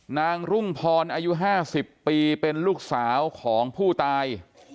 รุ่งพรอายุ๕๐ปีเป็นลูกสาวของผู้ตาย